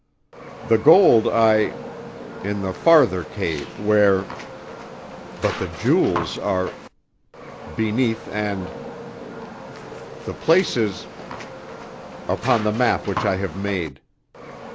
The gold I in the farther cave where , but the jewels are beneath and . The place is upon the map which I have made.